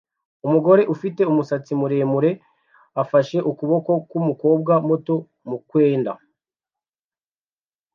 Umugore ufite umusatsi muremure afashe ukuboko kwumukobwa muto mukwenda